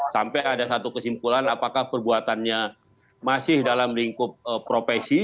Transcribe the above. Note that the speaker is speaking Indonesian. sampai ada satu kesimpulan apakah perbuatannya masih dalam lingkup profesi